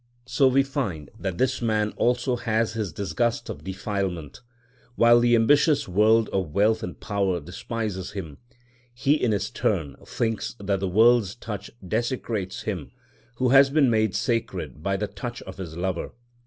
So we find that this man also has his disgust of defilement. While the ambitious world of wealth and power despises him, he in his turn thinks that the world's touch desecrates him who has been made sacred by the touch of his Lover.